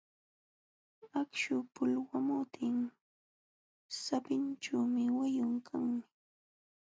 Akśhu pulwamutin sapinćhuupis wayun kanmi.